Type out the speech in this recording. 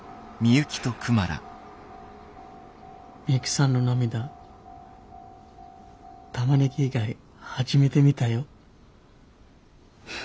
ミユキさんの涙タマネギ以外初めて見たよ。